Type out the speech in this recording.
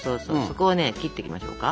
そこをね切っていきましょうか。